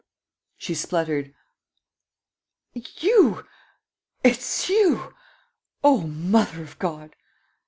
She spluttered: "You! It's you! O mother of God!